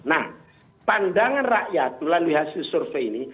nah pandangan rakyat melalui hasil survei ini